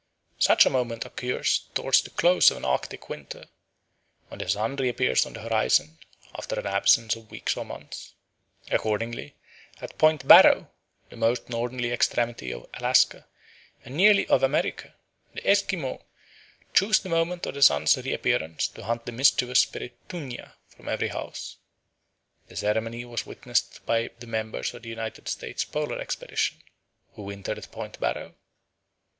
Such a moment occurs towards the close of an Arctic winter, when the sun reappears on the horizon after an absence of weeks or months. Accordingly, at Point Barrow, the most northerly extremity of Alaska, and nearly of America, the Esquimaux choose the moment of the sun's reappearance to hunt the mischievous spirit Tuña from every house. The ceremony was witnessed by the members of the United States Polar Expedition, who wintered at Point Barrow.